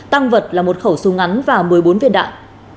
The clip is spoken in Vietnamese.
tăng vật là một khẩu súng ngắn và một mươi bốn viên đạn